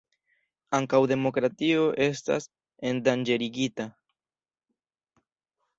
Ankaŭ demokratio estas endanĝerigita.